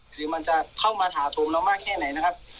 คือมันจะเข้ามาถาโถมเรามากแค่ไหนนะครับ